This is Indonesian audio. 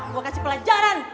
gua kasih pelajaran